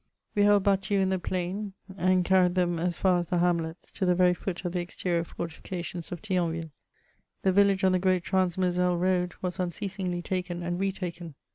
" We held battues in the plain, and carried them as far as the hamlets, to the very foot of the exterior fortifications of Thion ville. The village on the great trans Moselle road was unceas ingly taken and retaken.